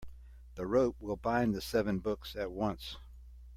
The rope will bind the seven books at once.